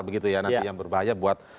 begitu ya nanti yang berbahaya buat